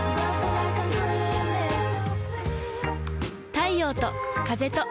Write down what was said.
太陽と風と